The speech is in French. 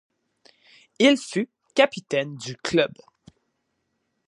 Il fut capitaine du club.